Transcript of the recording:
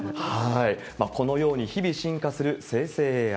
このように、日々進化する生成ＡＩ。